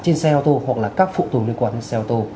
trên xe ô tô hoặc là các phụ tùng liên quan đến xe ô tô